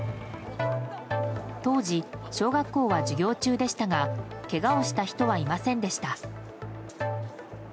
当時、小学校は授業中でしたがけがをした人はいませんでした。